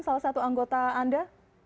salah satu anggota anda